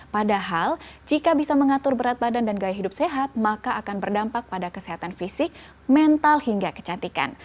padahal jika bisa mengatur berat badan dan gaya hidup sehat maka akan berdampak pada kesehatan fisik mental hingga kecantikan